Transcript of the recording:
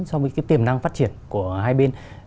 so với tiềm năng phát triển của hai bên